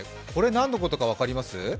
これ何のことか分かります？